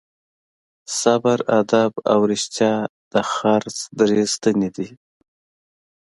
صبر، ادب او رښتیا د خرڅ درې ستنې دي.